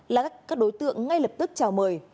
là các đối tượng ngay lập tức chào mời